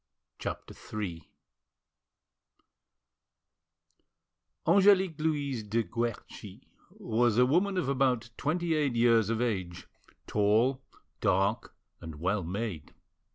CHAPTER III ANGELIQUE LOUISE DE GUERCHI was a woman of about twenty eight years of age, tall, dark, and well made.